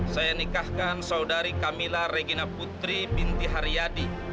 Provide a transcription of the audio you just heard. saya nikahkan saudari camilla regina putri binti haryadi